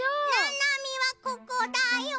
ななみはここだよ。